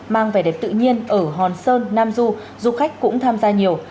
mang vẻ đẹp tự nhiên ở hòn sơn nam du du khách cũng tham gia nhiều